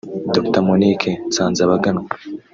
Dr Monique Nsanzabaganwa